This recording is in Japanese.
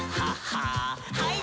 はい。